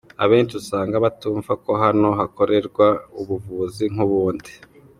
Abenshi usanga batumva ko hano hakorerwa ubuvuzi nk’ubundi.